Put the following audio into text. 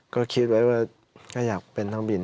ก็คิดไว้ว่าก็อยากเป็นนักบิน